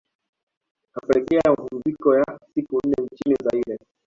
kapelekea mapumziko ya siku nne nchini Zaire